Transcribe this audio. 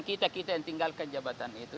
kita kita yang tinggalkan jabatan itu